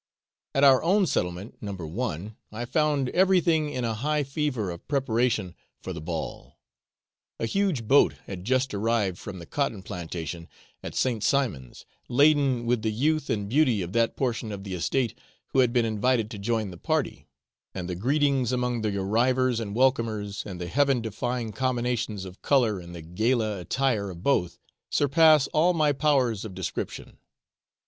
At our own settlement (No. 1) I found everything in a high fever of preparation for the ball. A huge boat had just arrived from the cotton plantation at St. Simons, laden with the youth and beauty of that portion of the estate who had been invited to join the party; and the greetings among the arrivers and welcomers, and the heaven defying combinations of colour in the gala attire of both, surpass all my powers of description.